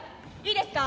いいですか？